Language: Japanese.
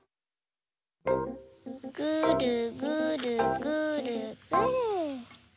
ぐるぐるぐるぐる。